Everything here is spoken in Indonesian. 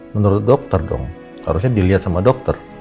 menurut dokter dong harusnya dilihat sama dokter